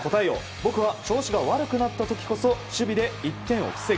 僕は調子が悪くなった時こそ守備で１点を防ぐ。